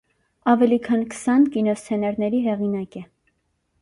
Ավելի քան քսան կինոսցենարների հեղինակ է։